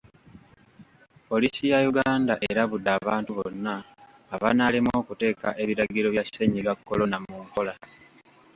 Poliisi ya Uganda erabudde abantu bonna abanaalemwa okuteeka ebiragiro bya Ssennyiga Corona mu nkola